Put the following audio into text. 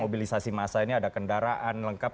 mobilisasi massa ini ada kendaraan lengkap